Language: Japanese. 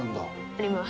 あります。